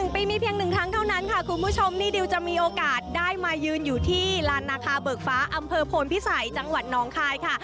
๑ปีมีเพียง๑ครั้งเท่านั้นค่ะคุณผู้ชมนี่ดิวจะมีโอกาสได้มายืนอยู่ที่ลานนาคาเบิกฟ้าอำเภอโพนพิสัยจังหวัดน้องคายค่ะ